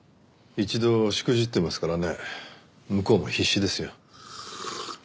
一度しくじってますからね向こうも必死ですよ。